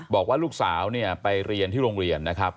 บอกว่าลูกสาวเนี่ยไปเรียนที่โรงเรียนนะครับ